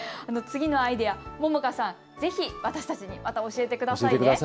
次のアイデア、杏果さん、ぜひ私たちにまた教えてくださいね。